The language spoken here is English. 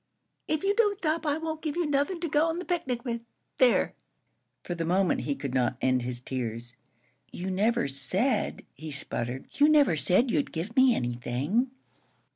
If you don't stop, I won't give you nothin' to go to the picnic with there!" For the moment he could not end his tears. "You never said," he sputtered "you never said you'd give me anything."